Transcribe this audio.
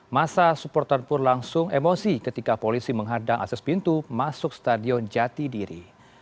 masa supporter pun langsung emosi ketika polisi menghadang akses pintu masuk stadion jatidiri